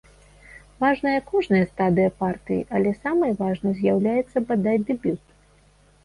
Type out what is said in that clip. Важная кожная стадыя партыі, але самай важнай з'яўляецца, бадай, дэбют.